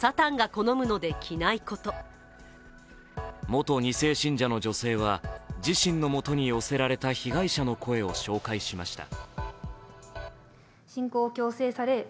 元２世信者の女性は、自身のもとに寄せられた被害者の声を紹介しました。